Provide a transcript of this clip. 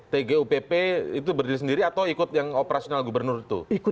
tgupp itu berdiri sendiri atau ikut yang operasional gubernur itu